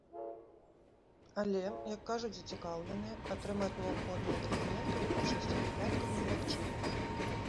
Але, як кажуць зацікаўленыя, атрымаць неабходныя дакументы ў большасці выпадкаў немагчыма.